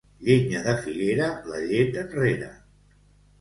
Llenya de figuera, la llet enrere.